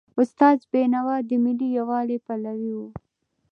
استاد بینوا د ملي یووالي پلوی و.